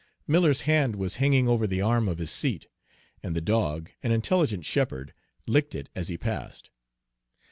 Miller's hand was hanging over the arm of his seat, and the dog, an intelligent shepherd, licked it as he passed.